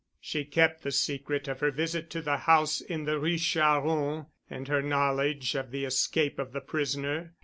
She kept the secret of her visit to the house in the Rue Charron and her knowledge of the escape of the prisoner.